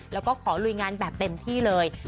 แล้วก็ขอลุยงานแบบเต็มที่เลย